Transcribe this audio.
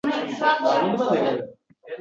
Yashnar lolagun.